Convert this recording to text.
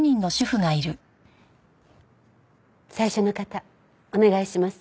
最初の方お願いします。